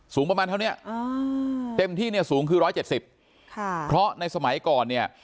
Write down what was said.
สูงประมาณเท่านี้เต็มที่เนี่ยสูงคือ๑๗๐เพราะในสมัยก่อนเนี่ย